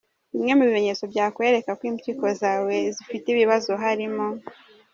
Bimwe mu bimenyetso byakwereka ko impyiko zawe zifite ibibazo harimo:.